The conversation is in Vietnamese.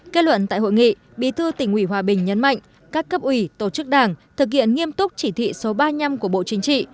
kết luận tại hội nghị bí thư tỉnh ủy hòa bình nhấn mạnh các cấp ủy tổ chức đảng thực hiện nghiêm túc chỉ thị số ba mươi năm của bộ chính trị